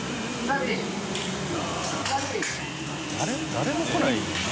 誰も来ない。